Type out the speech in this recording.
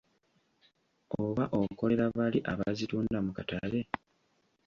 Oba okolera bali abazitunda mu katale?